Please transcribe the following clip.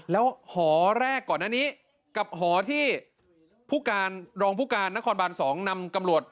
แล้วหอแรกก่อนอันนี้กับหอที่ผู้การรองผู้การนครบาน๒นำตำรวจ